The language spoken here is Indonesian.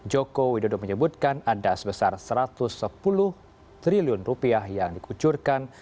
joko widodo menyebutkan ada sebesar satu ratus sepuluh triliun rupiah yang dikucurkan